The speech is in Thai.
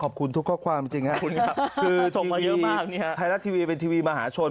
ขอบคุณทุกข้อความจริงครับคุณครับคือทีวีไทยลักษณ์ทีวีเป็นทีวีมหาชน